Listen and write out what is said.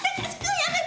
やめて。